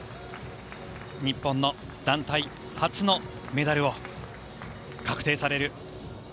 日本の団体初のメダルを確定される